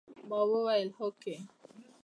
ما وويل هوکې.